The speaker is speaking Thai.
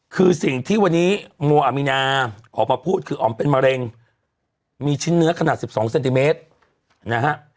คือสิ่งที่วันนี้โมอามีนาออกมาพูดคืออ๋อมเป็นมะเร็งมีชิ้นเนื้อขนาด๑๒เซนติเมตรนะฮะ